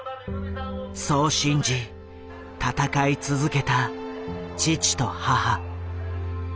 そう信じ闘い続けた父と母。